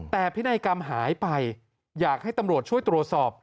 แต่พินัยกรรมหายไปอยากให้ตำรวจช่วยตรวจสอบ